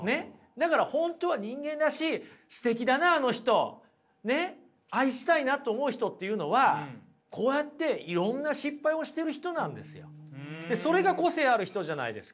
だから本当は人間らしいすてきだなあの人愛したいなと思う人っていうのはこうやっていろんな失敗をしてる人なんですよ。それが個性ある人じゃないですか。